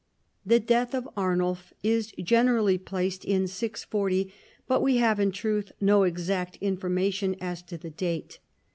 The death of Arnulf is gener ally placed in G40, but we have, in truth, no exact information as to the date.